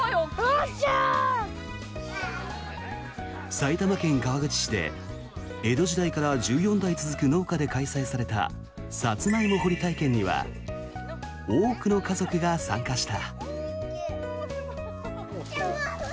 埼玉県川口市で、江戸時代から１４代続く農家で開催されたサツマイモ掘り体験には多くの家族が参加した。